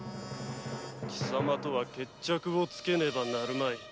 貴様とは決着をつけねばなるまい。